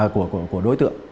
của đối tượng